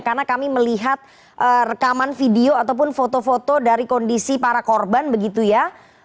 karena kami melihat rekaman video ataupun foto foto dari kondisi para korban begitu ya